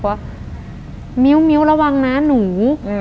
เพราะว่ามิ้วระวังนะหนู